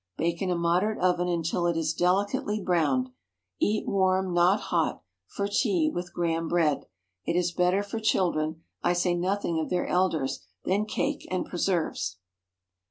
Bake in a moderate oven until it is delicately browned. Eat warm—not hot—for tea, with Graham bread. It is better for children—I say nothing of their elders—than cake and preserves.